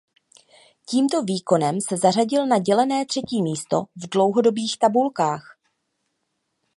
Tímto výkonem se zařadil na dělené třetí místo v dlouhodobých tabulkách.